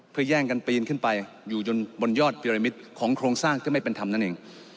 เพื่อแย่งกันปีนขึ้นไปอยู่จนบนยอดวิรมิตรของโครงสร้างที่ไม่เป็นธรรมนั่นเอง